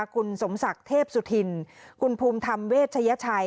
คุณสมศักดิ์เทพสุธินคุณภูมิธรรมเวชยชัย